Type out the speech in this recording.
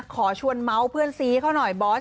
ขอชวนเมาส์เพื่อนซีเขาหน่อยบอส